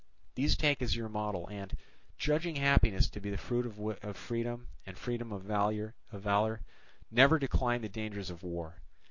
These take as your model and, judging happiness to be the fruit of freedom and freedom of valour, never decline the dangers of war.